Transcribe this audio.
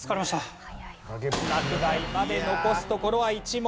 落第まで残すところは１問。